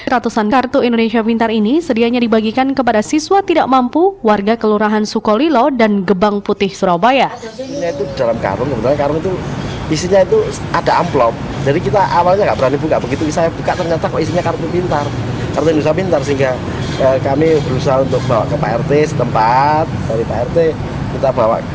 ratusan kartu indonesia pintar ini sedianya dibagikan kepada siswa tidak mampu warga kelurahan sukolilo dan gebang putih surabaya